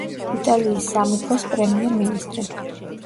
იტალიის სამეფოს პრემიერ-მინისტრი.